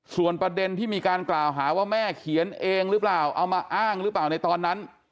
ส่วนประเด็นที่มีการกล่าวหาว่าแม่เขียนเองหรือเปล่าเอามาอ้างหรือเปล่าในตอนนั้น